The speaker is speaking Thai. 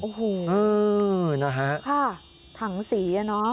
โอ้โหถังสีน่ะเนอะ